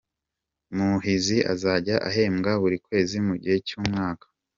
Muhizi azajya ahembwa buri kwezi mu gihe cy’umwaka